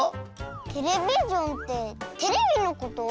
テレビジョンってテレビのこと？